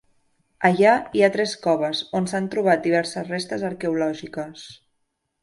Allà hi ha tres coves on s'han trobat diverses restes arqueològiques.